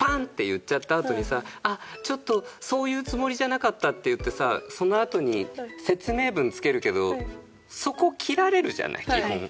ッて言っちゃったあとにさあっちょっとそういうつもりじゃなかったって言ってさそのあとに説明文つけるけどそこ切られるじゃない？基本。